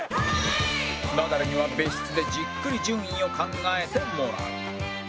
ナダルには別室でじっくり順位を考えてもらう